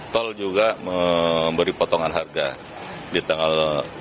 tol juga memberi potongan harga di tanggal tujuh belas delapan belas sembilan belas